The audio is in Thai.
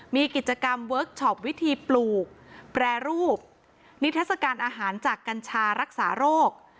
มีกิจกรรมเวิร์คชอปวิธีปลูกแปรรูปนิทัศกาลอาหารจากกัญชารักษาโรค